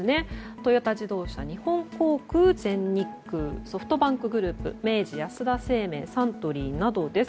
トヨタ自動車、日本航空全日空、ソフトバンクグループ明治安田生命サントリーなどです。